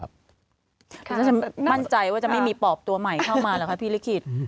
ฉันจะมั่นใจว่าจะไม่มีปอบตัวใหม่เข้ามาเหรอคะพี่ลิขิต